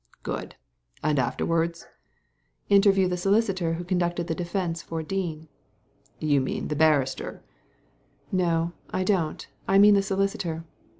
« Good ! And afterwards ?"* Interview the solicitor who conducted the defence for Dean/' ''You mean the barrister/' "No, I don't; I mean the solicitor.